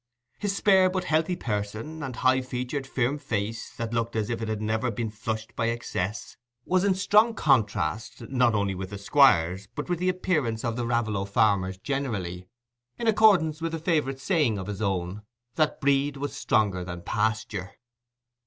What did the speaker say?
His spare but healthy person, and high featured firm face, that looked as if it had never been flushed by excess, was in strong contrast, not only with the Squire's, but with the appearance of the Raveloe farmers generally—in accordance with a favourite saying of his own, that "breed was stronger than pasture".